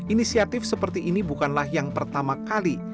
inisiatif seperti ini bukanlah yang pertama kali